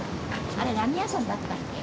あれ何屋さんだったっけ？